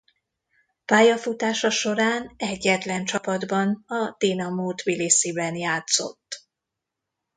Pályafutása során egyetlen csapatban a Dinamo Tbilisziben játszott.